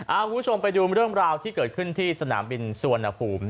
คุณผู้ชมไปดูเรื่องราวที่เกิดขึ้นที่สนามบินสุวรรณภูมิ